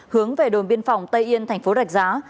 hướng về đồn biên phòng tây yên thành phố rạch giá